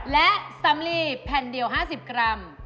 และสำลีแผ่นเดียว๕๐กรัม